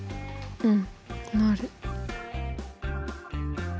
うん。